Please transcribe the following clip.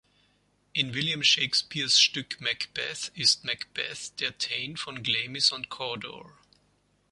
In William Shakespeares Stück Macbeth ist Macbeth der Thane von Glamis und Cawdor.